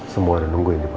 semua ada nungguin di bawah